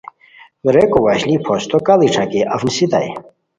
ریکو وشلی پھوستو کاڑی ݯاکئے اف نیستائے